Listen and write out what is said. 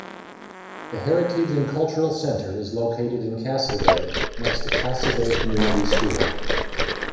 The Heritage and Cultural Centre is located in Castlebay, next to Castlebay Community School.